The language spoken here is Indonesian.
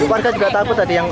warga juga takut tadi yang